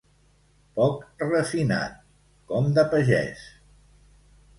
Poc refinat, com de pagès.